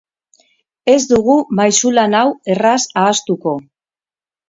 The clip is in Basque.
Ez dugu maisulan hau erraz ahaztuko.